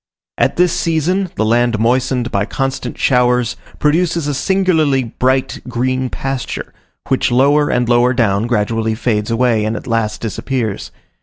At this season, the land moistened by constant showers, produces a singularly bright green pasture, which lower and lower down, gradually fades away and at last disappears.